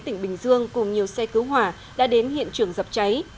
tỉnh bình dương cùng nhiều xe cứu hỏa đã đến hiện trường dập cháy